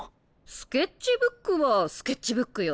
スケッチブックはスケッチブックよ。